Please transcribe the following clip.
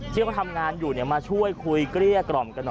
ที่เขาก็ทำงานอยู่เนี่ยมาช่วยคุยหลั่งกล้องกะหน่อก